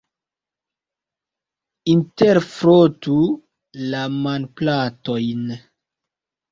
Interfrotu la manplatojn.